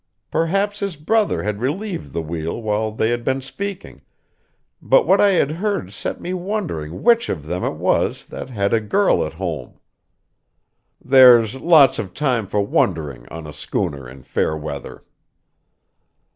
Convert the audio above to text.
Perhaps his brother had relieved the wheel while they had been speaking, but what I had heard set me wondering which of them it was that had a girl at home. There's lots of time for wondering on a schooner in fair weather.